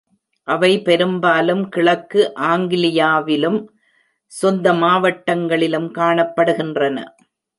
அவை பெரும்பாலும் கிழக்கு ஆங்லியாவிலும், சொந்த மாவட்டங்களிலும் காணப்படுகின்றன.